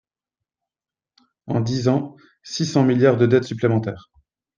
En dix ans, six cents milliards de dettes supplémentaires